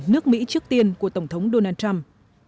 nước mỹ trước tiên của tổng thống donald trump